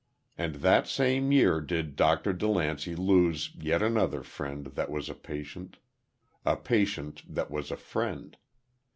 And that same year did Dr. DeLancey lose yet another friend that was a patient a patient that was a friend.